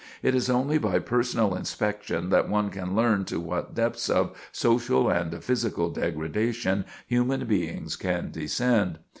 It is only by personal inspection that one can learn to what depths of social and physical degradation human beings can descend.